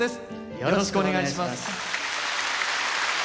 よろしくお願いします。